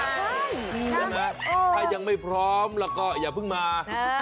ใช่ไหมถ้ายังไม่พร้อมแล้วก็อย่าเพิ่งมา